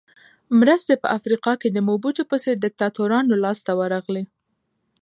مرستې په افریقا کې د موبوټو په څېر دیکتاتورانو لاس ته ورغلې.